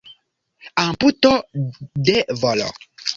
Amputo de volo.